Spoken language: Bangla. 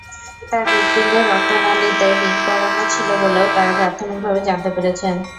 তাঁর হৃৎপিণ্ডের রক্তনালিতে রিং পরানো ছিল বলেও তাঁরা প্রাথমিকভাবে জানতে পেরেছেন।